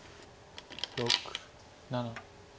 ６７。